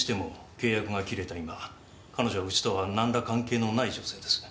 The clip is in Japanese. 今彼女はうちとは何ら関係のない女性です。